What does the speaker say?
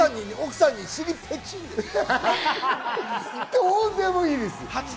どうでもいいです。